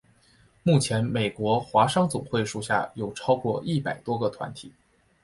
目前美国华商总会属下有超过一百多个团体。